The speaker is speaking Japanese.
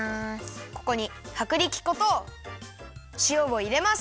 ここにはくりき粉としおをいれます。